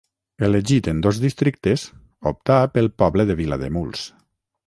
Elegit en dos districtes, optà pel poble de Vilademuls.